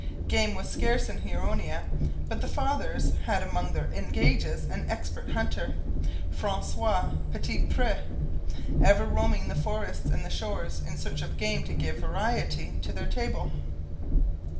Game was scarce in Huronia, but the fathers had among their engages an expert hunter, Francois Petit Pre, ever roaming the forest and the shores in search of game to give variety to their table.